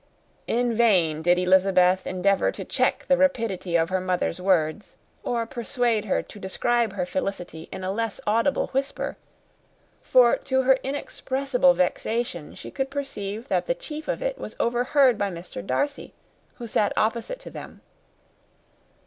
In vain did Elizabeth endeavour to check the rapidity of her mother's words, or persuade her to describe her felicity in a less audible whisper; for to her inexpressible vexation she could perceive that the chief of it was overheard by Mr. Darcy, who sat opposite to them.